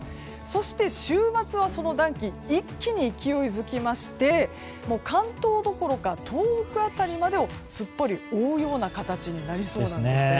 そして週末はその暖気一気に勢いづきまして関東どころか東北辺りまでをすっぽり覆うような形になりそうなんです。